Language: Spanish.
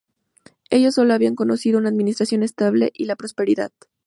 Ellos solo habían conocido una administración estable y la prosperidad.